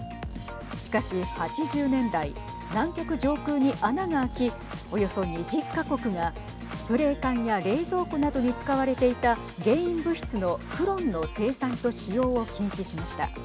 しかし、８０年代南極上空に穴が空きおよそ２０か国がスプレー缶や冷蔵庫などに使われていた原因物質のフロンの生産と使用を禁止しました。